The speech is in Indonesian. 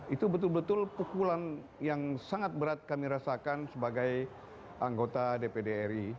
itu betul betul pukulan yang sangat berat kami rasakan sebagai anggota dpd ri